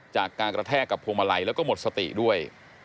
จากการกระแทกกับพวงมาลัยแล้วก็หมดสติด้วย